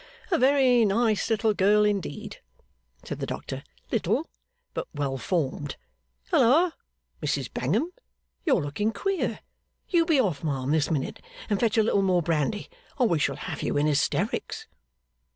'A very nice little girl indeed,' said the doctor; 'little, but well formed. Halloa, Mrs Bangham! You're looking queer! You be off, ma'am, this minute, and fetch a little more brandy, or we shall have you in hysterics.